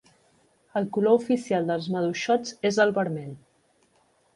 El color oficial dels Maduixots és el vermell.